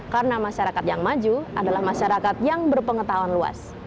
karena masyarakat yang maju adalah masyarakat yang berpengetahuan luas